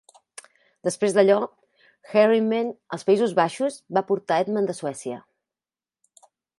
Després d'allò, Heerenveen als Països Baixos va portar Edman de Suècia.